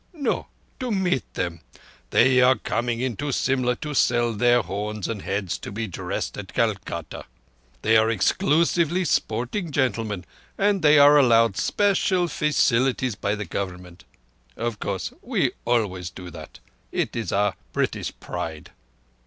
"No. To meet them. They are coming in to Simla to send down their horns and heads to be dressed at Calcutta. They are exclusively sporting gentlemen, and they are allowed special faceelities by the Government. Of course, we always do that. It is our British pride."